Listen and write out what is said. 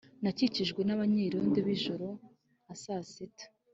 Nakijijwe nabanyerondo bijoro nkasisita